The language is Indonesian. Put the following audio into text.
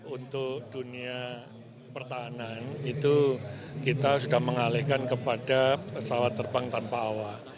untuk dunia pertahanan itu kita sudah mengalihkan kepada pesawat terbang tanpa awak